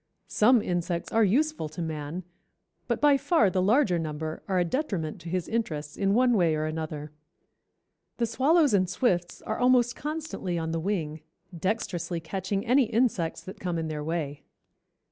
Some insects are useful to man, but by far the larger number are a detriment to his interests in one way or another. The swallows and swifts are almost constantly on the wing, dexterously catching any insects that come in their way.